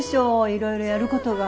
いろいろやることが。